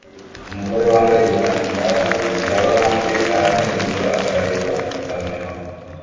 Umugore wambaye igitambaro cya orange aramwenyura akareba kamera